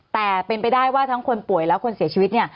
แต่เป็นไปได้ว่าทั้งคนป่วยและคนเสียชีวิตเนี่ย